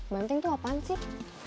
banteng itu apaan sih